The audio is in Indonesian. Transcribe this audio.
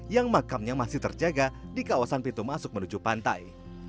yang makamnya masih terjaga di kawasan pintu masuk menuju pantai